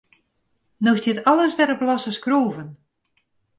No stiet alles wer op losse skroeven.